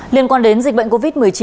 liên quan đến dịch bệnh covid một mươi chín